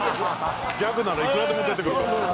ギャグならいくらでも出てくると。